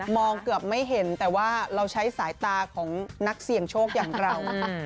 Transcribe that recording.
เกือบไม่เห็นแต่ว่าเราใช้สายตาของนักเสี่ยงโชคอย่างเรา